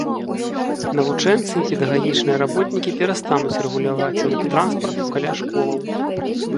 Навучэнцы і педагагічныя работнікі перастануць рэгуляваць рух транспарту каля школаў.